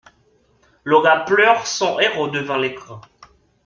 Laura pleure son héros devant l’écran.